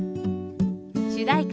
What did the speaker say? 主題歌